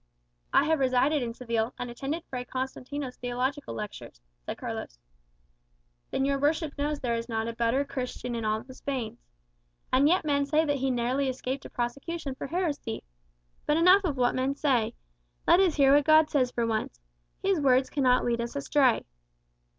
"I have resided in Seville, and attended Fray Constantino's theological lectures," said Carlos. "Then your worship knows there is not a better Christian in all the Spains. And yet men say that he narrowly escaped a prosecution for heresy. But enough of what men say. Let us hear what God says for once. His words cannot lead us astray."